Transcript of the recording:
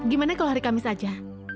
gimana kalau hari kamis saja